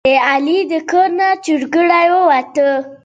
د کتاب چاپ په دې موده کې دود شو.